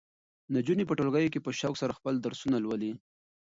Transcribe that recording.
نجونې په ټولګیو کې په شوق سره خپل درسونه لولي.